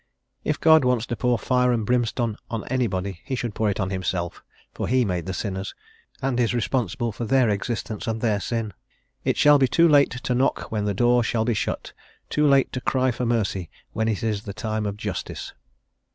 If God wants to pour fire and brimstone on anybody, he should pour it on himself, for he made the sinners, and is responsible for their existence and their sin. "It shall be too late to knock when the door shall be shut; too late to cry for mercy when it is the time of justice."